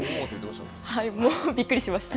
びっくりしました。